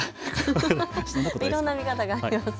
いろんな見方がありますね。